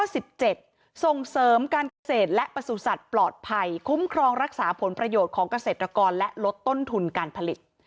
ส่งเสริมการเกษตรและประสุทธิ์ปลอดภัยคุ้มครองรักษาผลประโยชน์ของเกษตรกรและลดต้นทุนการผลิต